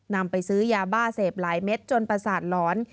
นำไปซื้อยาบ้าเสพหลายเม็ดจนประสาทหลอน